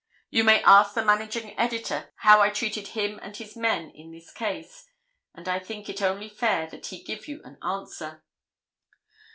You may ask the managing editor how I treated him and his men in this case, and I think it only fair that he give you an answer."